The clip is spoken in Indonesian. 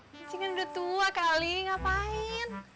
ncing kan udah tua kali ngapain